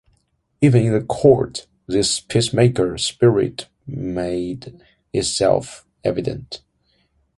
Even in court this peacemaker spirit made itself evident.